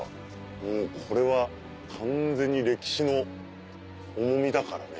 もうこれは完全に歴史の重みだからね。